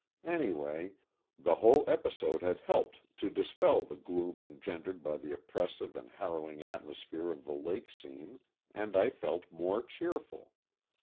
Anyway, the whole episode had helped to dispel the gloom engendered by the oppressive and harrowing atmosphere of the lake scene, and I felt more cheerful.